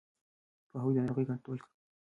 پوهاوی د ناروغۍ کنټرول کوي.